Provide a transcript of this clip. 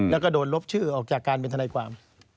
แล้วก็โดนลบชื่อออกจากการเป็นทนายความ